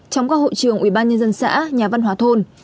trong các hội trường ủy ban nhân dân xã nhà văn hóa thôn